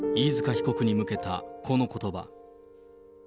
被告に向けたこのことば。